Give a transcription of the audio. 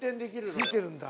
付いてるんだ。